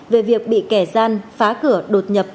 về việc bị kẻ gian phá cửa đột nhập